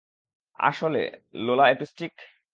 আসলে, Lola autistic.